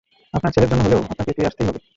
আপনার ছেলের জন্য হলেও আপনাকে ফিরে আসতেই হবে।